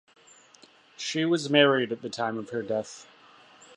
She was married at the time of her death.